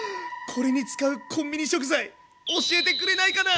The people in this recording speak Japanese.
これに使うコンビニ食材教えてくれないかな？